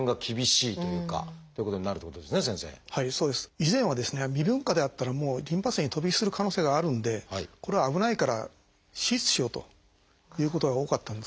以前はですね未分化であったらもうリンパ節へ飛び火する可能性があるんでこれは危ないから手術しようということが多かったんですね。